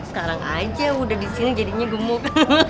sekarang aja udah disini jadinya gemuk